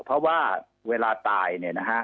เพราะว่าเวลาตายเนี่ยนะฮะ